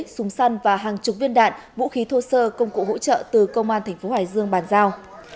hai súng săn và hàng chục viên đạn vũ khí thô sơ công cụ hỗ trợ từ công an tp hải dương bàn giao